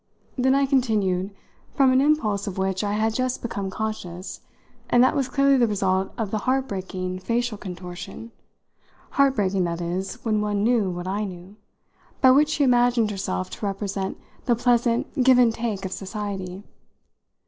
Then I continued, from an impulse of which I had just become conscious and that was clearly the result of the heart breaking facial contortion heart breaking, that is, when one knew what I knew by which she imagined herself to represent the pleasant give and take of society.